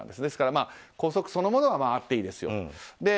ですから、校則そのものはあっていいですよと。